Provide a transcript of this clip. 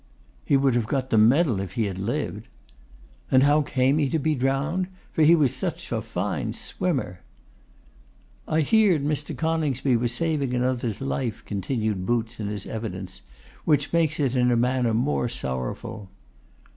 'He would have got the medal if he had lived.' 'And how came he to be drowned? for he was such a fine swimmer!' 'I heerd Mr. Coningsby was saving another's life,' continued Boots in his evidence, 'which makes it in a manner more sorrowful.